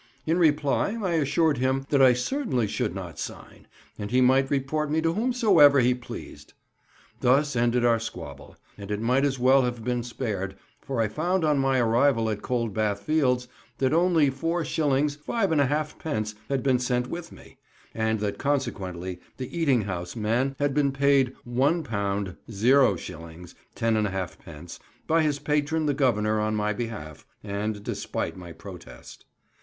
In reply, I assured him that I certainly should not sign, and he might report me to whomsoever he pleased. Thus ended our squabble; and it might as well have been spared, for I found on my arrival at Cold Bath Fields that only 4s. 5½d. had been sent with me, and that consequently the eating house man had been paid £1 0s. 10½d. by his patron the Governor on my behalf, and despite my protest.